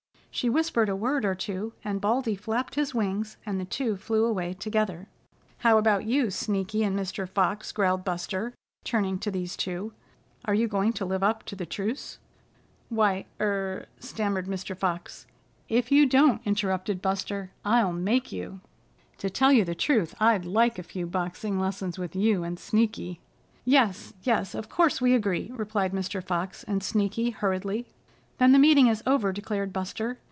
She whispered a word or two, and Baldy flapped his wings, and the two flew away together. "How about you, Sneaky and Mr. Fox?" growled Buster, turning to these two. "Are you going to live up to the truce?" "Why er " stammered Mr. Fox. "If you don't," interrupted Buster, "I'll make you. To tell you the truth, I'd like a few boxing lessons with you and Sneaky." "Yes, yes, of course, we agree," replied Mr. Fox and Sneaky hurriedly. "Then the meeting is over," declared Buster.